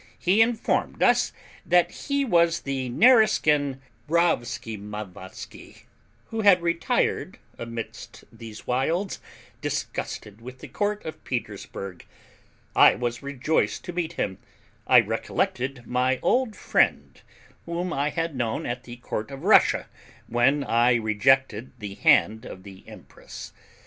He informed us that he was the Nareskin Rowskimowmowsky, who had retired amidst these wilds, disgusted with the court of Petersburgh. I was rejoiced to meet him; I recollected my old friend, whom I had known at the court of Russia, when I rejected the hand of the Empress.